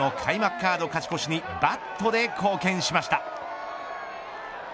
カード勝ち越しにバットで貢献しました。